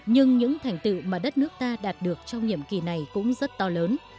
nhưng những thành tựu mà đất nước ta đạt được trong nhiệm kỳ này cũng rất to lớn